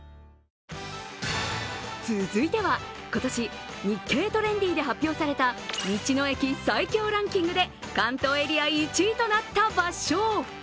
続いては今年日経トレンディで発表された道の駅最強ランキングで関東エリア１位となった場所。